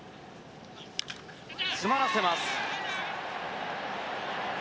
詰まらせます。